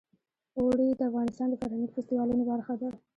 اوړي د افغانستان د فرهنګي فستیوالونو برخه ده.